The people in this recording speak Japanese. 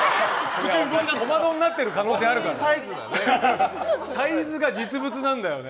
小窓になってる可能性あるからね。